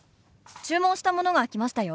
注文したものが来ましたよ。